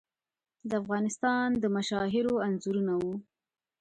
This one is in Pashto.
د افغانستان د مشاهیرو انځورونه وو.